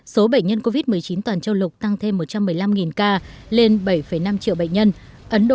số bệnh nhân covid một mươi chín toàn châu lục tăng thêm một trăm một mươi năm ca lên bảy năm triệu bệnh nhân